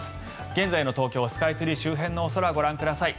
現在の東京スカイツリー周辺のお空ご覧ください。